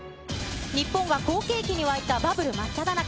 日本は好景気に沸いたバブル真っただ中。